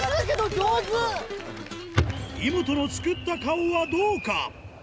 イモトの作った顔はどうか？